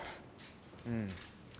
うん。